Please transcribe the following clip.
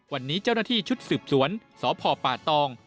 วันนี้เจ้าหน้าที่ชุดสืบสวนสพป่าตอง